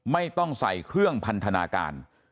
ไม่ต้องใส่เครื่องพันธนาการ